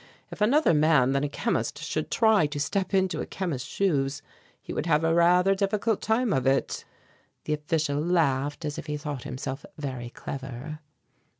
If another man than a chemist should try to step into a chemist's shoes, he would have a rather difficult time of it." The official laughed as if he thought himself very clever.